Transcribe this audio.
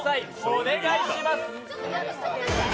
お願いします。